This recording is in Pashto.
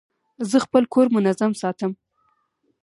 زه خپل کور منظم ساتم.